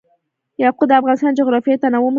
یاقوت د افغانستان د جغرافیوي تنوع مثال دی.